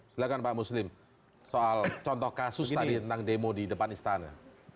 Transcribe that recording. silahkan pak muslim soal contoh kasus tadi tentang demo di depan istana